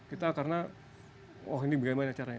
kita karena oh ini bagaimana caranya